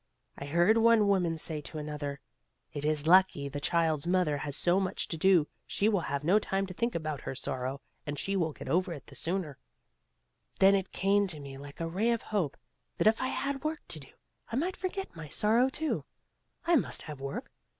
I heard one woman say to another: 'It is lucky the child's mother has so much to do; she will have no time to think about her sorrow, and she will get over it the sooner,' Then it came to me like a ray of hope, that if I had work to do, I might forget my sorrow too. I must have work.